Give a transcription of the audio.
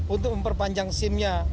untuk memperpanjang sim nya